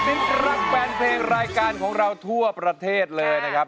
นิดรักแฟนเพลงรายการของเราทั่วประเทศเลยนะครับ